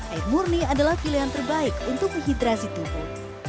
air murni adalah pilihan terbaik untuk menghidrasi tubuh